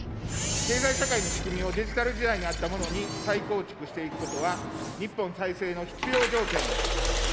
経済社会の仕組みをデジタル時代に合ったものに再構築していくことは、日本再生の必要条件です。